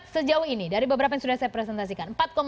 sejauh ini dari beberapa yang sudah saya presentasikan